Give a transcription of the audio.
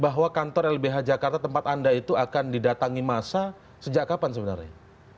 bahwa kantor lbh jakarta tempat anda itu akan didatangi masa sejak kapan sebenarnya